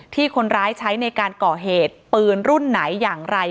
ที่คนร้ายใช้ในการก่อเหตุปืนรุ่นไหนอย่างไร